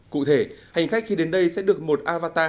cụ thể hành khách khi đến đây sẽ được một avatar